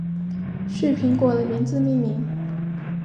旭苹果的名字命名。